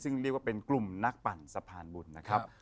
ซึ่งเรียกว่าเป็นกลุ่มนักปั่นสะพานบุญนะครับ